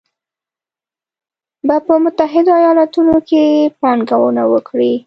به په متحدو ایالتونو کې پانګونه وکړي